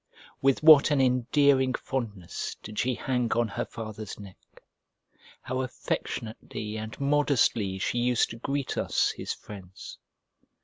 With what an endearing fondness did she hang on her father's neck! How affectionately and modestly she used to greet us his friends!